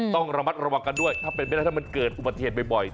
ต้องระมัดระวังกันด้วยถ้ามันเกิดอุบัติเหตุบ่อย